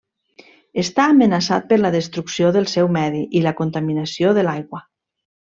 Està amenaçat per la destrucció del seu medi i la contaminació de l'aigua.